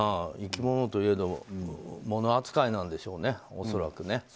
生き物といえど物扱いなんでしょうね、恐らくね。